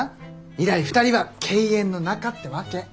以来２人は敬遠の仲ってわけ。